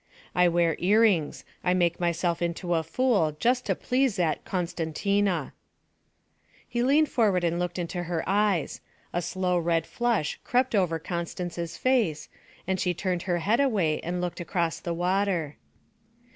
I wear earrings; I make myself into a fool just to please zat Costantina.' He leaned forward and looked into her eyes. A slow red flush crept over Constance's face, and she turned her head away and looked across the water.